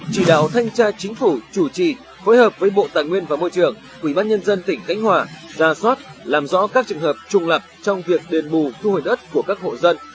chỉ đạo thanh tra chính phủ chủ trì phối hợp với bộ tài nguyên và môi trường ubnd tỉnh khánh hòa ra soát làm rõ các trường hợp trùng lập trong việc đền bù thu hồi đất của các hộ dân